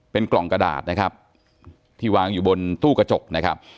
เป็นกล่องกระดาษนะครับที่วางอยู่บนตู้กระจกนะครับ